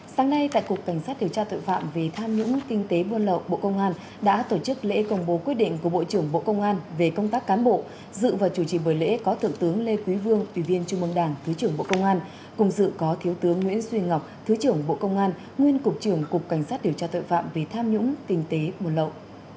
sáng nay tại cục cảnh sát điều tra tội phạm về tham nhũng kinh tế buôn lậu bộ công an đã tổ chức lễ công bố quyết định của bộ trưởng bộ công an về công tác cán bộ dự và chủ trì buổi lễ có thượng tướng lê quý vương ủy viên trung mương đảng thứ trưởng bộ công an cùng dự có thiếu tướng nguyễn duy ngọc thứ trưởng bộ công an nguyên cục trưởng cục cảnh sát điều tra tội phạm về tham nhũng kinh tế buôn lậu